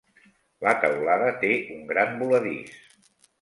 La teulada té un gran voladís.